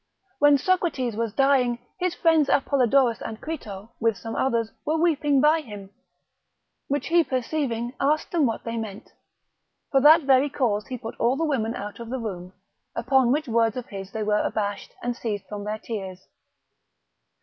When Socrates was dying, his friends Apollodorus and Crito, with some others, were weeping by him, which he perceiving, asked them what they meant: for that very cause he put all the women out of the room, upon which words of his they were abashed, and ceased from their tears.